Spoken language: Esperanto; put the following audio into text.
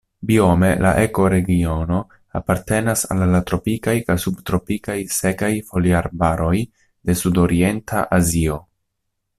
Biome la ekoregiono apartenas al la tropikaj kaj subtropikaj sekaj foliarbaroj de Sudorienta Azio.